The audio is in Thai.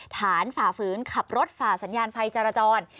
ฝ่าฝืนขับรถฝ่าสัญญาณไฟจรจร